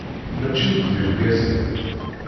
Maci akk d irgazen.